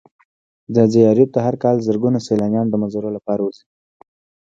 ځاځي اريوب ته هر کال زرگونه سيلانيان د منظرو لپاره ورځي.